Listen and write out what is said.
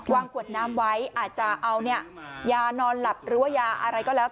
วางขวดน้ำไว้อาจจะเอาเนี่ยยานอนหลับหรือยาอะไรก็แล้ว